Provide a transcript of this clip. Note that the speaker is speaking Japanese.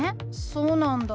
そうなんだ。